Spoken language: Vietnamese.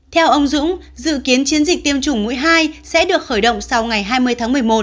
theo ông dũng dự kiến chiến dịch tiêm chủng mũi hai sẽ được khởi động sau ngày hai mươi tháng một mươi một